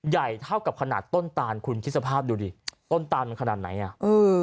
ใหญ่เท่ากับขนาดต้นตานคุณคิดสภาพดูดิต้นตานมันขนาดไหนอ่ะเออ